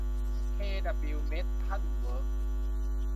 เค ดับบลิว เม็ททัล เวิร์ค